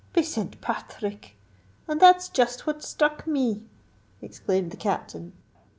"Be Saint Path rick! and that's just what struck me!" exclaimed the Captain.